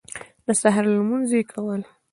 د سهار لمونځونه یې کول.